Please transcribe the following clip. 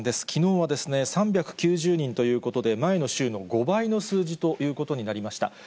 きのうは３９０人ということで、前の週の５倍の数字ということになりました。